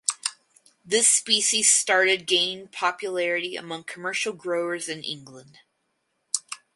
This species started gain popularity among commercial growers in England.